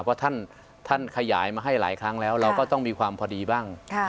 เพราะท่านขยายมาให้หลายครั้งแล้วเราก็ต้องมีความพอดีบ้าง